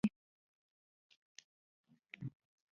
هغوی ته لاري نیسي او مالونه یې لوټي.